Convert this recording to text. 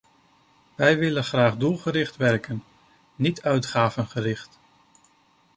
Wij willen graag doelgericht werken, niet uitgavengericht.